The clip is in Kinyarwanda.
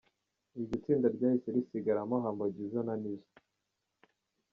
Iryo tsinda ryahise risigaramo Humble Jizzo na Nizo.